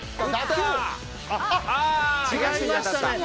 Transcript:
違いましたね。